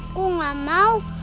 aku gak mau